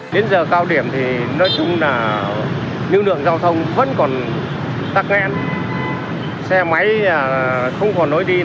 đến giờ cao điểm thì nói chung là lưu lượng giao thông vẫn còn tắc nghẽn xe máy không còn lối đi